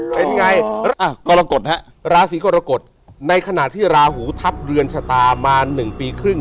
เป็นไงก็ละเกาะระฝิกฎกฎในขณะที่ราหูทับเรือนชะตามาหนึ่งปีครึ่ง